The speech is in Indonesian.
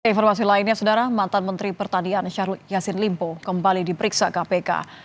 informasi lainnya saudara mantan menteri pertanian syahrul yassin limpo kembali diperiksa kpk